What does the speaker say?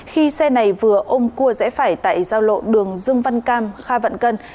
khi xe này vừa ôm cua rẽ phải tại giao lộ đường dương văn cam kha vạn cân